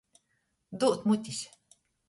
Dūt mutis.